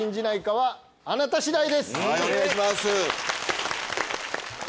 はいお願いします。